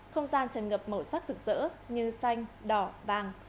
không gian tràn ngập màu sắc rực rỡ như xanh đỏ vàng